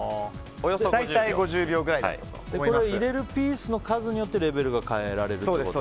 入れるピースの数によってレベルが変えられるってこと？